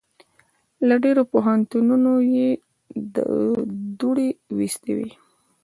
له ډېرو پوهنتونو یې دوړې ویستې وې.